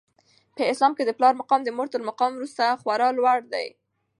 په اسلام کي د پلار مقام د مور تر مقام وروسته خورا لوړ دی.